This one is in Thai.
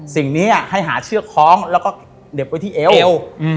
สิ่งนี้ให้หาเชื้อของแล้วก็เด็บไว้ที่เอว